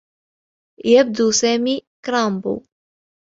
يبدو سامي كرامبو.